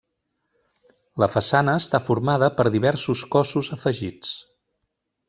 La façana està formada per diversos cossos afegits.